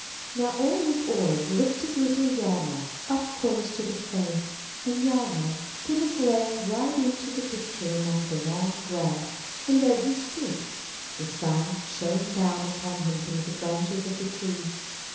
Now Ole Luk oie lifted little Hjalmar up close to the frame, and Hjalmar put his leg right into the picture 134 IN THE NURSERY among the long grass, and there he stood; the sun shone down upon him through the branches of the trees.